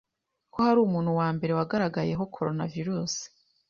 ko hari umuntu wa mbere wagaragayeho Coronavirus